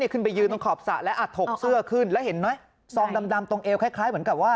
นี่คืนไปยืนขอบศะแล้วอัดถกเสื้อขึ้นแล้วเห็นมั้ย